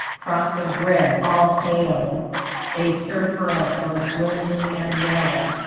Cross of red, all hail! They serve for us most willingly and well.